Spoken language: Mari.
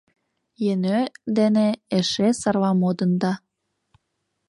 Йенӧ дене эше сарла модында.